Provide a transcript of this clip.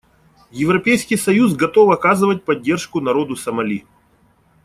Европейский союз готов оказывать поддержку народу Сомали.